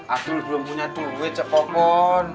aduh belum punya duit cepopon